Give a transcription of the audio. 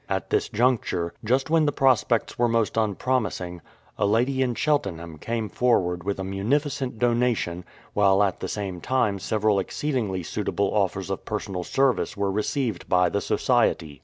At this juncture, just when the prospects were most un promising, a lady in Cheltenham came forward with a 248 THE FINAL ENTERPRISE munificent donation, while at the same time several ex ceedingly suitable offers of personal service were received by the Society.